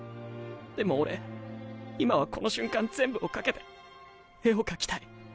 でも俺今はこの瞬間全部を懸けて絵を描きたい。